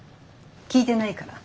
聞いてないから。